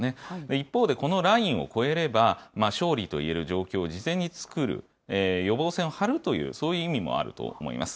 一方でこのラインを越えれば、勝利といえる状況を事前に作る、予防線を張るという、そういう意味もあると思います。